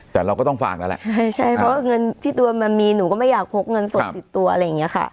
แต่เราก็ต้องฝากแล้วแหละใช่ใช่เพราะว่าเงินที่ตัวมันมีหนูก็ไม่อยากพกเงินสดติดตัวอะไรอย่างเงี้ยค่ะ